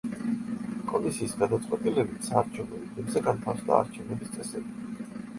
კომისიის გადაწყვეტილებით, საარჩევნო უბნებზე განთავსდა არჩევნების წესები.